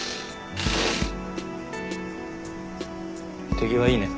手際いいね。